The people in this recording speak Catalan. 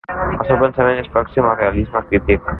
El seu pensament és pròxim al realisme crític.